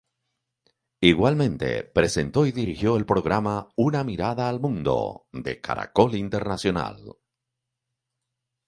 Igualmente, presentó y dirigió el programa "Una mirada al Mundo" de Caracol Internacional.